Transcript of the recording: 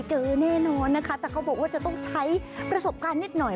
เจอแน่นอนนะคะแต่เขาบอกว่าจะต้องใช้ประสบการณ์นิดหน่อย